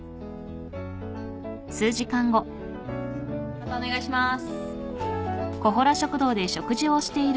またお願いします。